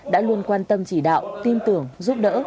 đã luôn quan tâm chỉ đạo tin tưởng giúp đỡ